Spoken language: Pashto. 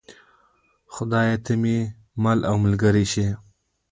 خدایه ته مې مل او ملګری شې.